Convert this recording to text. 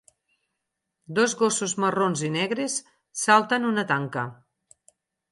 Dos gossos marrons i negres salten una tanca.